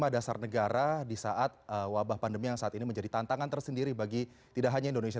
lima dasar negara di saat wabah pandemi yang saat ini menjadi tantangan tersendiri bagi tidak hanya indonesia